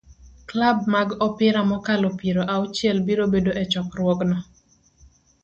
Klab mag opira mokalo piero auchiel biro bedo e chokruogno